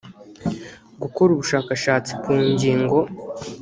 gukora ubushakashatsi ku ngingo